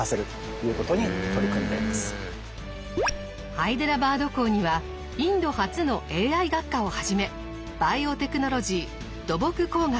ハイデラバード校にはインド初のＡＩ学科をはじめバイオテクノロジー土木工学